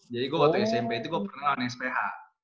jadi gue waktu smp itu gue pernah lawan sph